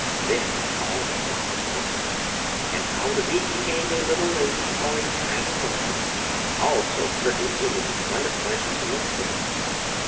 Then all the flowers opened, and out of each came a little lady or a tiny lord, all so pretty it was quite a pleasure to look at them.